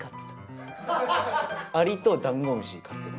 アリとダンゴムシ飼ってた。